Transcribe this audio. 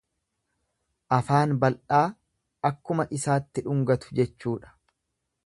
Afaan bal'aa akkuma isaatti dhungatu jechuudha.